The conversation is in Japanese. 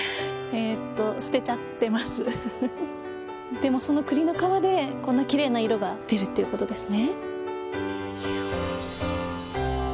でもそのクリの皮でこんな奇麗な色が出るっていうことですね。